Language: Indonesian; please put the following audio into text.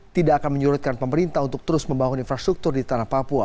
tidak akan menyurutkan pemerintah untuk terus membangun infrastruktur di tanah papua